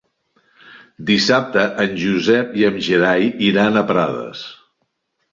Dissabte en Josep i en Gerai iran a Prades.